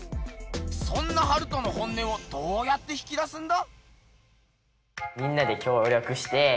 そんなハルトの本音をどうやって引き出すんだ？